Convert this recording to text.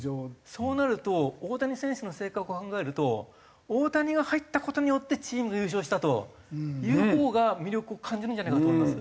そうなると大谷選手の性格を考えると大谷が入った事によってチームが優勝したというほうが魅力を感じるんじゃないかと思います。